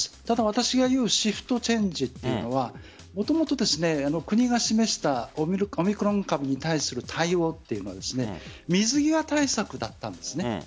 ただ、私が言うシフトチェンジというのはもともと国が示したオミクロン株に対する対応というのは水際対策だったんです。